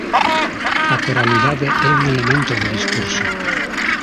A coralidade é un elemento do discurso.